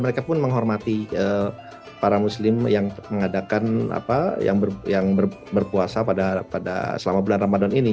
mereka pun menghormati para muslim yang mengadakan yang berpuasa pada selama bulan ramadan ini